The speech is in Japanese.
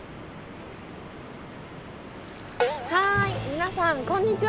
皆さんこんにちは！